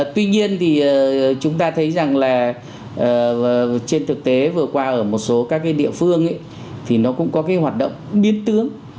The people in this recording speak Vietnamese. tuy nhiên thì chúng ta thấy rằng là trên thực tế vừa qua ở một số các cái địa phương thì nó cũng có cái hoạt động biến tướng